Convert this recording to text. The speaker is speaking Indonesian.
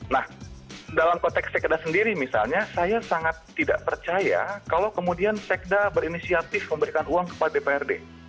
nah dalam konteks sekda sendiri misalnya saya sangat tidak percaya kalau kemudian sekda berinisiatif memberikan uang kepada dprd